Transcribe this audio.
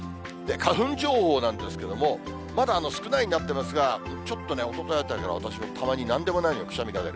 花粉情報なんですけれども、まだ少ないになってますが、ちょっとね、おとといあたりから私もたまになんでもないのにくしゃみが出る。